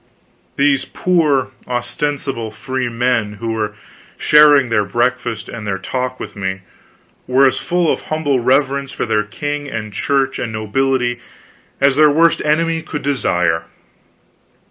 These poor ostensible freemen who were sharing their breakfast and their talk with me, were as full of humble reverence for their king and Church and nobility as their worst enemy could desire.